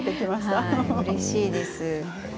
うれしいです。